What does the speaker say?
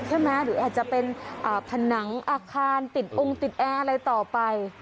หรืออาจจะเป็นผนังอาคารติดองค์ติดแอร์อะไรต่อไป